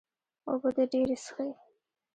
اوبۀ دې ډېرې څښي